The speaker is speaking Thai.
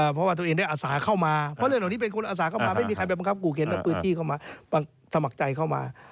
เพราะว่าตัวเองได้อาสาเข้ามาเพราะเรื่องเหล่านี้เป็นคนอาสาเข้ามาไม่มีใครไปบังคับกูเข็นและพื้นที่เข้ามาสมัครใจเข้ามา